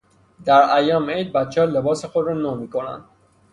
در ایام عید بچهها لباس خود را نو می کنند.